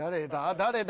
誰だ？